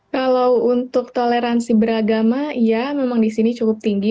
kalau untuk toleransi beragama ya memang di sini cukup tinggi